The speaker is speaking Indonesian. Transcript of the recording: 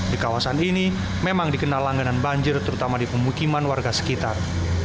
di kawasan ini memang dikenal langganan banjir terutama di pemukiman warga sekitar